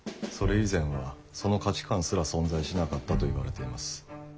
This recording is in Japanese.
それ以前はその価値観すら存在しなかったといわれています。